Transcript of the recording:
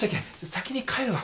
先に帰るわ。